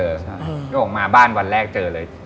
ก็ออกมาบ้านวันแรกเจอเลย